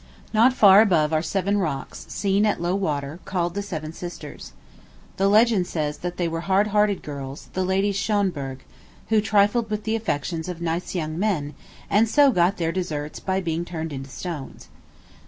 Not far above are seven rocks, seen at low water, called the Seven Sisters. The legend says that they were hard hearted girls, the Ladies Schonberg, who trifled with the affections of nice young men, and so got their deserts by being turned into stones.